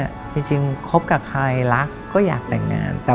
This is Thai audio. อยากทำเพราะ